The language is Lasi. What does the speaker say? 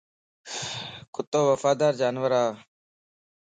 ڪتو وفادار جانور ا